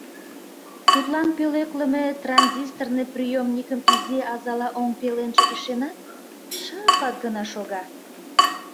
Тудлан пӧлеклыме транзисторный приёмникым изи азала оҥ пеленже ишенат, шыпак гына шога.